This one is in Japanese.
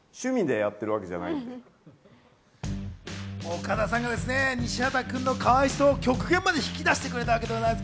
岡田さんが西畑君のかわいさを極限まで引き出してくれたわけです。